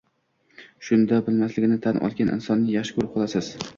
Shunda bilmasligini tan olgan insonni yaxshi ko‘rib qolasiz.